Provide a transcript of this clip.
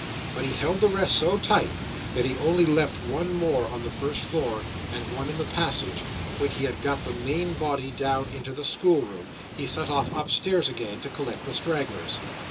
But he held the rest so tight, that he only left one more on the first floor, and one in the passage; and when he had got the main body down into the schoolroom, he set off upstairs again to collect the stragglers.